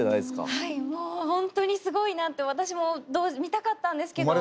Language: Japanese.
はいもうほんとにすごいなと私も見たかったんですけど。